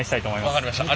分かりました。